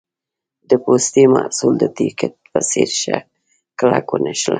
د پوستي محصول د ټیکټ په څېر شه کلک ونښله.